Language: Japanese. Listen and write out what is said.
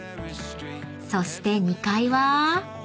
［そして２階は？］